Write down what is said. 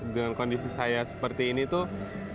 dengan kondisi saya seperti ini tuh